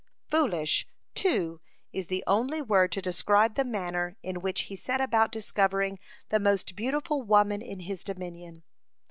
(52) Foolish, too, is the only word to describe the manner in which he set about discovering the most beautiful woman in his dominion.